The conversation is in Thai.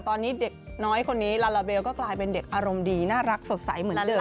ตอนนี้เด็กน้อยคนนี้ลาลาเบลก็กลายเป็นเด็กอารมณ์ดีน่ารักสดใสเหมือนเดิม